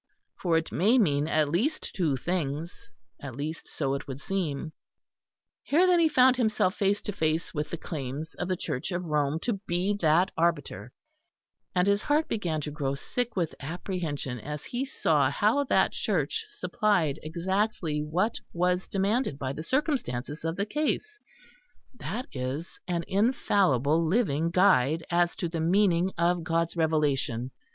for it may mean at least two things, at least so it would seem. Here then he found himself face to face with the claims of the Church of Rome to be that arbiter; and his heart began to grow sick with apprehension as he saw how that Church supplied exactly what was demanded by the circumstances of the case that is, an infallible living guide as to the meaning of God's Revelation.